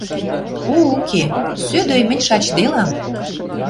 О уке, сӧдӧй мӹнь шачделам